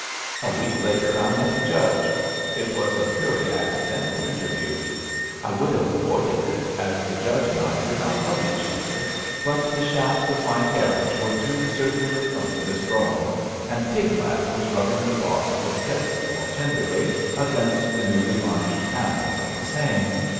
A week later I met the Judge. It was a purely accidental interview. I would have avoided it, as the Judge and I did not love each other, but the TIGLATH PILESER 95 shafts of my carriage were through the circular front of his brougham, and Tiglath was rubbing the boss of his headstall tenderly against the newly varnished panels of the same.